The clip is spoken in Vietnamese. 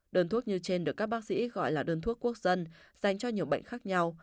đơn thuốc như trên được các bác sĩ gọi là đơn thuốc quốc dân dành cho nhiều bệnh khác nhau